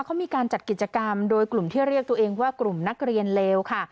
เขามีการจัดกิจกรรมโดยกลุ่มที่เรียกตัวเองว่ากลุ่มนักเรียนเลวค่ะ